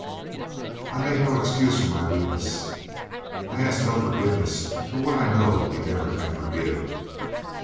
"I make no excuse for my weakness. I ask no forgiveness for what I know you never can forgive.